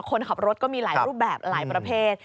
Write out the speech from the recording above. คนขับรถก็มีหลายรูปแบบหลายประเภท